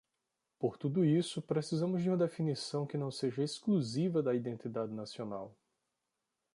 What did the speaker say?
Por tudo isso, precisamos de uma definição que não seja exclusiva da identidade nacional.